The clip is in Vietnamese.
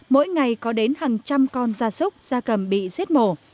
mỗi ngày có đến hàng trăm con ra súc ra cầm bị xếp mổ